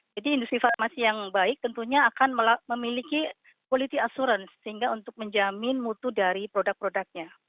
jadi industri farmasi yang baik tentunya akan memiliki quality assurance sehingga untuk menjamin mutu dari produk produknya